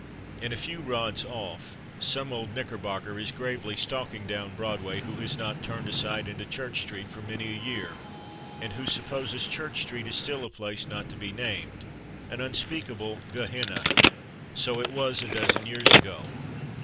And a few rods off some old Knickerbocker is gravely stalking down Broadway who has not turned aside into Church Street for many a year, and who supposes Church Street is still a place not to be named, an unspeakable Gehenna. So it was a dozen years ago.